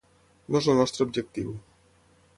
No és el nostre objectiu.